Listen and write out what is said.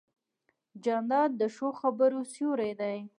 جانداد د ښو خبرو سیوری دی.